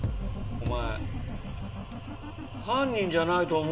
お前。